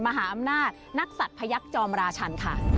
มหาอำนาจนักศัตริย์พยักษอมราชันค่ะ